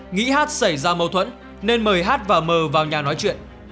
nghĩ h xảy ra mâu thuẫn nên mời h và m vào nhà nói chuyện